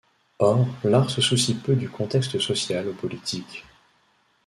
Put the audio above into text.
Or l'art se soucie peu du contexte social ou politique.